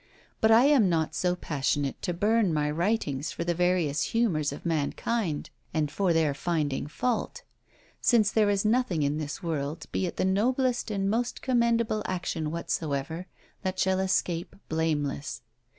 But I am not so passionate to burn my writings for the various humours of mankind, and for their finding fault; since there is nothing in this world, be it the noblest and most commendable action whatsoever, that shall escape blameless.